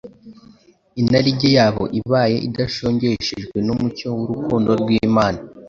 inarijye yabo ibaye idashongeshejwe n'umucyo w'urukundo rw'Imana,